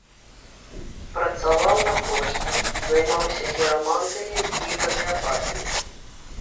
Працаваў на пошце, займаўся хірамантыяй і гамеапатыяй.